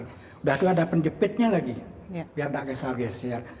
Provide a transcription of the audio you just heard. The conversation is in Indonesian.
sudah itu ada penjepitnya lagi biar tidak kesal geser